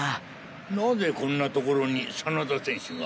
何故こんな所に真田選手が？